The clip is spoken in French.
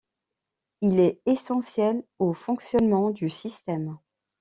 Il est essentiel au fonctionnement du système.